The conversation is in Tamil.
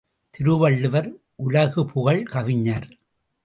திருவள்ளுவர் உலகு புகழ் கவிஞர்.